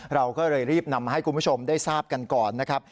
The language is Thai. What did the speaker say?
เราก็เลยรีบนำมาให้คุณผู้ชมได้ทราบกันก่อนนะครับ